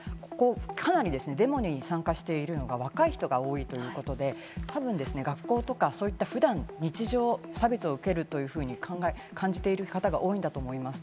デモに参加しているのが若い人が多いということで、学校とかそういった普段、日常で差別を受けるというふうに感じている方が多いんだと思います。